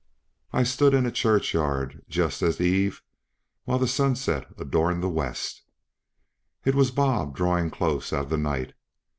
"I stood in a church yard just at ee eve, While the sunset adorned the west." It was Bob, drawing close out of the night.